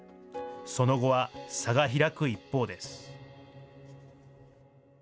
その後は差が開く一方です。